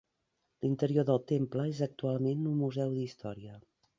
L'interior del temple és actualment un museu d'història.